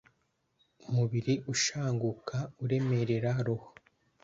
umubiri ushanguka uremerera roho